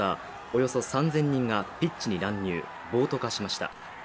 およそ３０００人がピッチに乱入、暴徒化しました。